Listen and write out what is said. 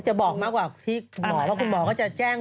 จะบอกมากกว่าที่หมอว่าคุณหมอก็จะแจ้ง